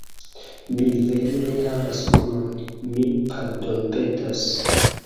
Mi vere ne havas monon, mi pardonpetas